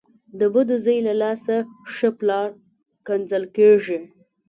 ـ د بد زوی له لاسه ښه پلار کنځل کېږي .